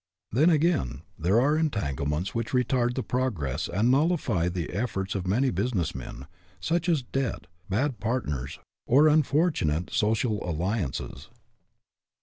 Then, again, there are entanglements which retard the progress and nullify the efforts of many business men, such as debt, bad part 54 FREEDOM AT ANY COST ners, or unfortunate social alliances.